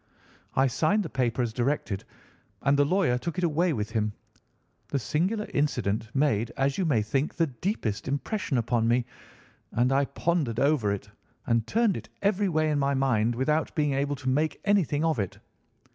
"I signed the paper as directed, and the lawyer took it away with him. The singular incident made, as you may think, the deepest impression upon me, and I pondered over it and turned it every way in my mind without being able to make anything of it.